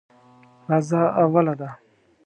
راځه اوله ده.